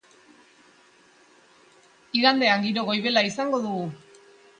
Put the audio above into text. Igandean giro goibela izango dugu.